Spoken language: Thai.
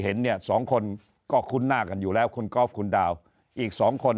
เห็นเนี่ยสองคนก็คุ้นหน้ากันอยู่แล้วคุณกอล์ฟคุณดาวอีกสองคน